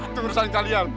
itu urusan kalian